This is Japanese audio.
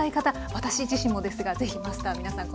私自身もですが是非マスター皆さん